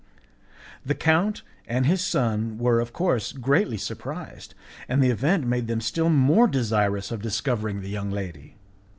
The count and his son were, of course, greatly surprised, and the event made them still more desirous of discovering the young lady.